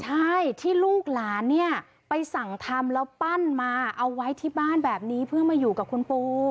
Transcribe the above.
ใช่ที่ลูกหลานเนี่ยไปสั่งทำแล้วปั้นมาเอาไว้ที่บ้านแบบนี้เพื่อมาอยู่กับคุณปู